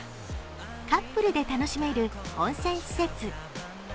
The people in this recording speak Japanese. カップルで楽しめる温泉施設。